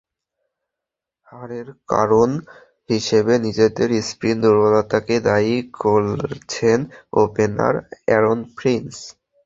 হারের কারণ হিসেবে নিজেদের স্পিন দুর্বলতাকেই দায়ী করছেন ওপেনার অ্যারন ফিঞ্চ।